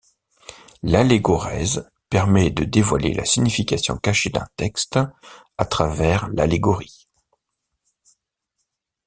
L'allégorèse permet de dévoiler la signification cachée d’un texte à travers l’allégorie.